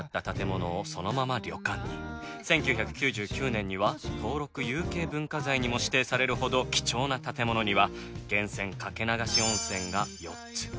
１９９９年には登録有形文化財にも指定されるほど貴重な建物には源泉掛け流し温泉が４つ。